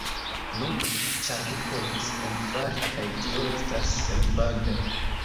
Nu, ĉar mi povis mem fari kaj tio estas senpaga.